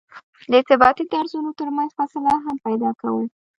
د ارتباطي درزونو ترمنځ فاصله هم پیدا کوو